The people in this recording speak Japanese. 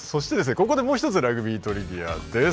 ここでもう一つラグビートリビアです。